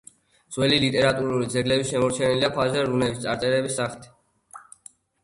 ძველი ლიტერატურის ძეგლები შემორჩენილია ქვაზე რუნების წარწერების სახით.